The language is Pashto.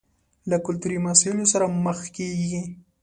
له کلتوري مسايلو سره مخ کېږي.